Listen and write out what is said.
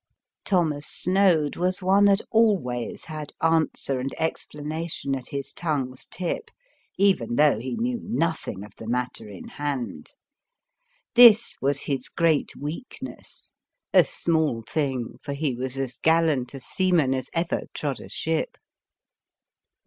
Thomas Snoad was one that always 17 The Fearsome Island had answer and explanation at his tongue's tip, even though he knew nothing of the matter in hand. This was his great weakness — a small thing, for he was as gallant a seaman as ever trod a ship.